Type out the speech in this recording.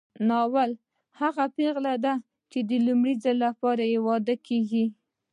ناوې هغه پېغله ده چې د لومړي ځل لپاره واده کیږي